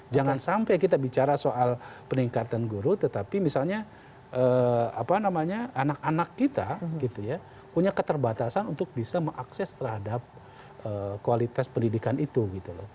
jangan sampai kita bicara soal peningkatan guru tetapi misalnya anak anak kita gitu ya punya keterbatasan untuk bisa mengakses terhadap kualitas pendidikan itu gitu loh